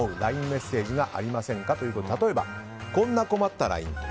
ＬＩＮＥメッセージがありませんかということで例えば、こんな困ったＬＩＮＥ。